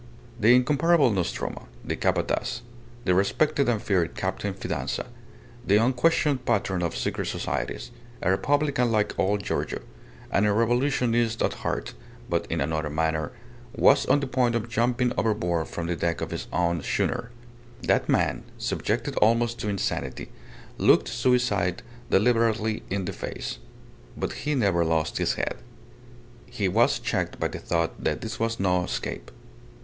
... The incomparable Nostromo, the Capataz, the respected and feared Captain Fidanza, the unquestioned patron of secret societies, a republican like old Giorgio, and a revolutionist at heart (but in another manner), was on the point of jumping overboard from the deck of his own schooner. That man, subjective almost to insanity, looked suicide deliberately in the face. But he never lost his head. He was checked by the thought that this was no escape.